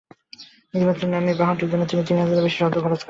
নির্বাচন নামের বাহনটির জন্য তিনি তিন হাজারের বেশি শব্দ খরচ করেছেন।